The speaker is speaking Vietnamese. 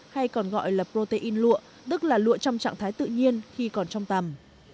hay còn gọi là protein lụa tức là lụa trong trạng thái tự nhiên khi còn trong tầm